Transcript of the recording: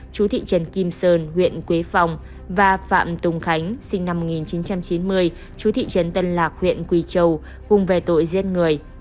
chú thị trấn kim sơn huyện quế phòng và phạm tùng khánh sinh năm một nghìn chín trăm chín mươi chú thị trấn tân lạc huyện quỳ châu cùng về tội giết người